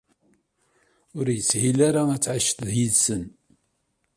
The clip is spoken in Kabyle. Ur yeshil ara ad tɛiceḍ yid-sen.